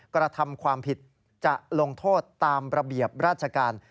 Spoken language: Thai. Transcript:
กระทำความผิดจะลงโทษตามระเบียบราชการ